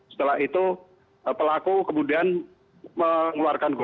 setelah itu pelaku kemudian mengeluarkan gol